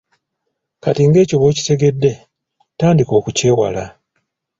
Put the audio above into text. Kati nga ekyo bw'okitegedde tandika okukyewala.